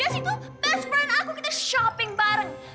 terus itu best friend aku kita shopping bareng